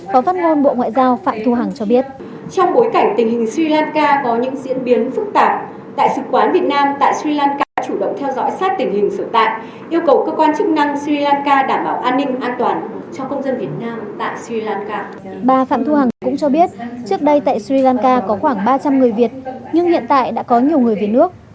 bà phạm thu hằng cũng cho biết trước đây tại sri lanka có khoảng ba trăm linh người việt nhưng hiện tại đã có nhiều người việt nước